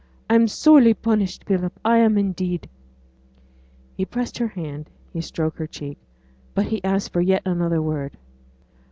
I'm sorely punished, Philip, I am indeed.' He pressed her hand, he stroked her cheek. But he asked for yet another word.